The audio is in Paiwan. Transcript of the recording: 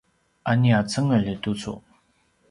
a nia cengelj tucu